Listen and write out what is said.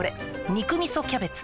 「肉みそキャベツ」